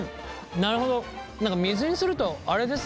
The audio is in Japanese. なるほど水にするとあれですね。